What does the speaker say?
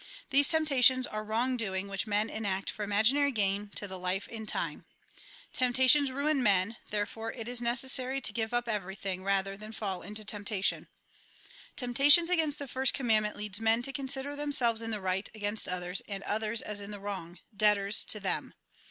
These temptations are wrong doing which men enact for imaginary gain to the life in time. Temptations ruin men ; therefore it is necessary 200 A RECAPITULATION 201 to give up everything rather tlian fall into temptation. Temptation against the first commandment leads men to consider themselves in the right against others, and others as ia the wrong, debtors to them.